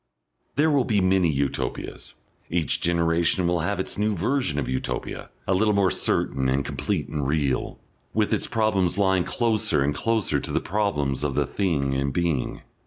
There will be many Utopias. Each generation will have its new version of Utopia, a little more certain and complete and real, with its problems lying closer and closer to the problems of the Thing in Being.